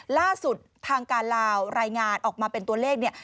ล่าสุดทางการลาวรายงานออกมาเป็นตัวเลขเนี่ย